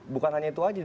bukan hanya itu aja